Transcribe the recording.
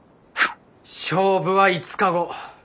勝負は５日後。